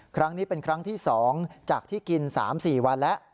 ครั้งนี้เป็นครั้งที่๒จากที่กิน๓๔วันแล้ว